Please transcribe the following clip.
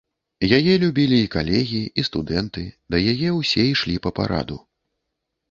Яе любілі і калегі, і студэнты, да яе ўсё ішлі па параду.